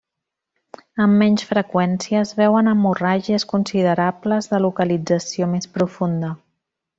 Amb menys freqüència, es veuen hemorràgies considerables de localització més profunda.